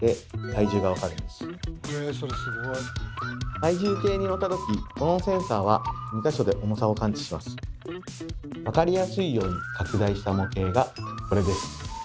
体重計に乗ったときこの分かりやすいように拡大した模型がこれです。